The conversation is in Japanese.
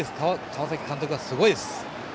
川崎監督はすごいです。